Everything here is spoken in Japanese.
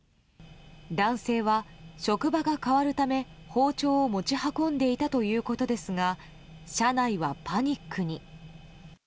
男性は職場が変わるため、包丁を持ち運んでいたということですが車内はパニックに。